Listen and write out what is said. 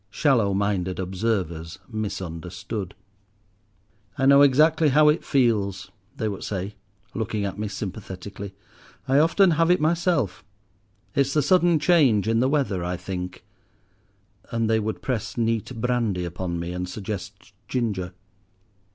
Shallow minded observers misunderstood. "I know exactly how it feels," they would say, looking at me sympathetically, "I often have it myself. It's the sudden change in the weather, I think;" and they would press neat brandy upon me, and suggest ginger.